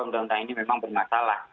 undang undang ini memang bermasalah